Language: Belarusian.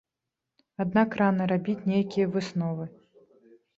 Аднак рана рабіць нейкія высновы.